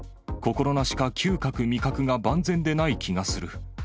心なしか嗅覚、味覚が万全でない気がする。